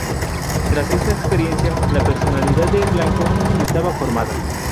Tras esta experiencia, la personalidad de Blanco estaba formada.